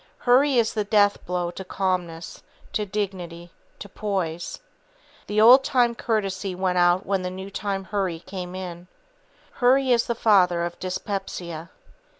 Hurry is the deathblow to calmness, to dignity, to poise. The old time courtesy went out when the new time hurry came in. Hurry is the father of dyspepsia.